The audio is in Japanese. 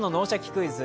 クイズ」